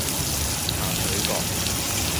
鹹水角